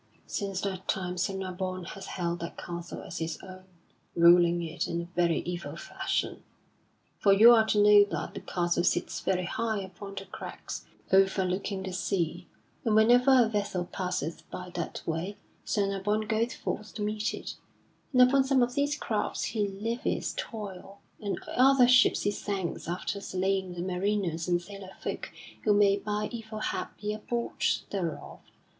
Since that time Sir Nabon has held that castle as his own, ruling it in a very evil fashion. For you are to know that the castle sits very high upon the crags overlooking the sea, and whenever a vessel passeth by that way, Sir Nabon goeth forth to meet it; and upon some of these crafts he levies toll, and other ships he sinks after slaying the mariners and sailor folk who may by evil hap be aboard thereof.